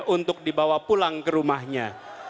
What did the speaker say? untuk dibawa pulang ke rumahnya